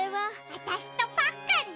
わたしとパックンね。